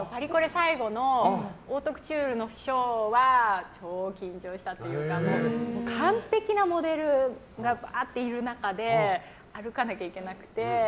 最後のオートクチュールのショーは超緊張したっていうか完璧なモデルがバーっている中で歩かなきゃいけなくて。